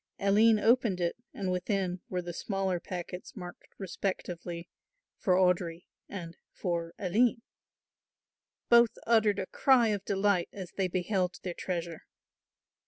Aline opened it and within were the smaller packets marked respectively, "For Audry" and "For Aline." Both uttered a cry of delight as they beheld their treasure.